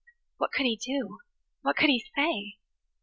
What could he do? What could he say?